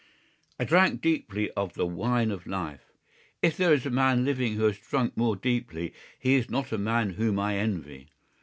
I drank deeply of the wine of life—if there is a man living who has drunk more deeply he is not a man whom I envy.